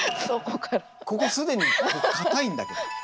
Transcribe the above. ここ既に硬いんだけど。